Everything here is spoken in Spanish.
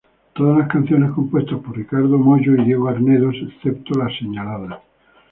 Todas las canciones compuestas por Ricardo Mollo y Diego Arnedo, excepto las señaladas.